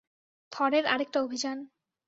থরের আরেকটা অভিযান।